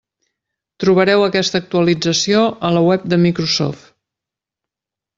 Trobareu aquesta actualització a la web de Microsoft.